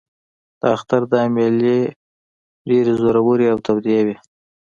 د اختر دا مېلې ډېرې زورورې او تودې وې.